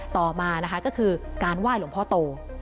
ต่อมานะคะก็คือการไหว้หลวงพ่อโต